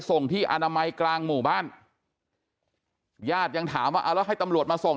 ส่งที่อนามัยกลางหมู่บ้านญาติยังถามว่าเอาแล้วให้ตำรวจมาส่ง